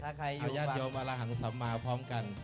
เอาญาติโยมวาระหังสัมมาพร้อมกัน